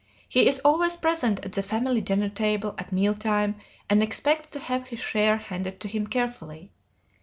He is always present at the family dinner table at meal time and expects to have his share handed to him carefully.